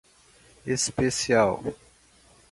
especial